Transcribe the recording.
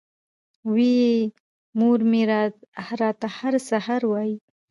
وې ئې مور مې راته هر سحر وائي ـ